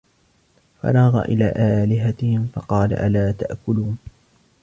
فَرَاغَ إِلَى آلِهَتِهِمْ فَقَالَ أَلَا تَأْكُلُونَ